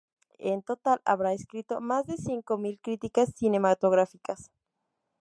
En total, habrá escrito más de cinco mil críticas cinematográficas.